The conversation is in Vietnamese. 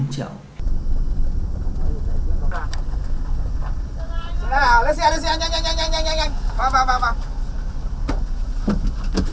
vào vào vào